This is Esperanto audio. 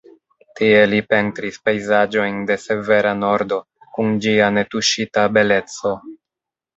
Tie li pentris pejzaĝojn de severa Nordo kun ĝia netuŝita beleco.